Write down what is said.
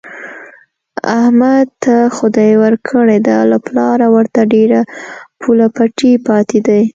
احمد ته خدای ورکړې ده، له پلاره ورته ډېر پوله پټی پاتې دی.